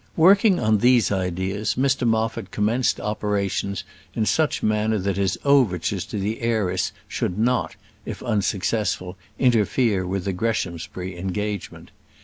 Working on these ideas, Mr Moffat commenced operations in such manner that his overtures to the heiress should not, if unsuccessful, interfere with the Greshamsbury engagement.